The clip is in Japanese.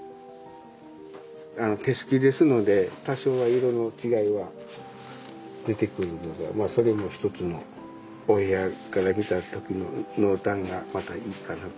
手すきですので多少は色の違いは出てくるのがそれもひとつのお部屋から見た時の濃淡がまたいいかなと思うんです。